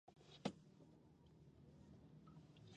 زه نشم کولی سهار کار ته لاړ شم!